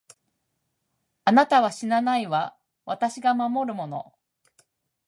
あなたは死なないわ、私が守るもの。